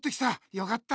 よかった。